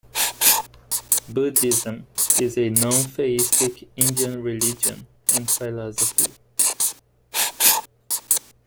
Buddhism is a nontheistic Indian religion and philosophy.